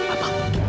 abang untuk mu